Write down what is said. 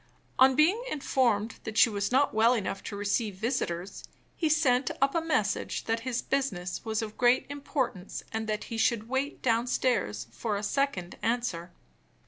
On being informed that she was not well enough to receive visitors, he sent up a message that his business was of great importance and that he would wait downstairs for a second answer.